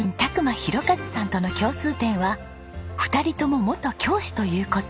啓和さんとの共通点は２人とも元教師という事。